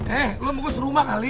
eh lo mau ke rumah kali